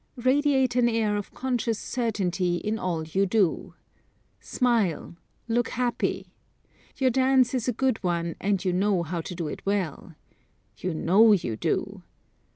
Radiate an air of conscious certainty in all you do. Smile. Look happy. Your dance is a good one and you know how to do it Well. You know you do.